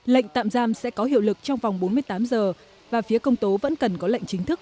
lệnh tạm giam sẽ có hiệu lực trong vòng bốn mươi tám giờ và phía công tố vẫn cần có lệnh chính thức